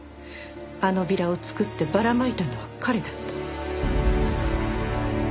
あのビラを作ってばらまいたのは彼だった。